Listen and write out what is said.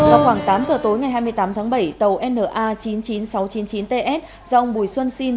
vào khoảng tám giờ tối ngày hai mươi tám tháng bảy tàu na chín mươi chín nghìn sáu trăm chín mươi chín ts do ông bùi xuân sinh